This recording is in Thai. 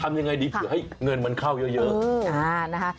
ทำยังไงดีถือให้เงินมันเข้าเยอะ